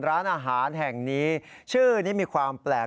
ร้านอาหารแห่งนี้ชื่อนี้มีความแปลก